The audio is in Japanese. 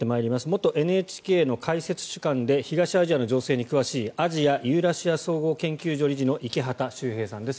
元ＮＨＫの解説主幹で東アジアの情勢に詳しいアジア・ユーラシア総合研究所理事の池畑修平さんです。